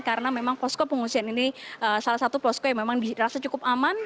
karena memang posko pengusian ini salah satu posko yang memang dirasa cukup aman